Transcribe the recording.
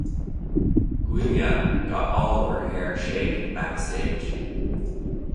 Giulia got all of her hair shaved backstage.